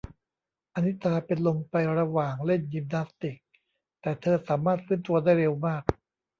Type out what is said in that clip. อะนิตาเป็นลมไประหว่างเล่นยิมนาสติก แต่เธอสามารถฟื้นตัวได้เร็วมาก